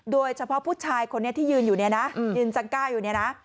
โดยเฉพาะผู้ชายคนนี้ที่ยืนอยู่เนี่ยนะยืนจังก้าอยู่เนี่ยนะ